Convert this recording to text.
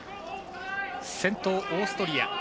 先頭、オーストリア。